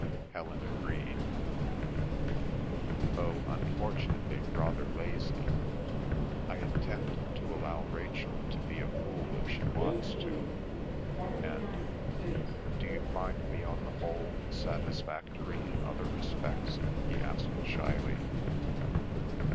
Helen agreed. "Though, unfortunately, rather lazy. I intend to allow Rachel to be a fool if she wants to, and—Do you find me on the whole satisfactory in other respects?" he asked shyly.